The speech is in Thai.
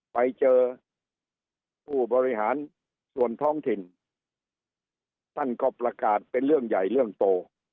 ไปเจอผู้บริหารส่วนท้องถิ่นท่านก็ประกาศเป็นเรื่องใหญ่เรื่องโต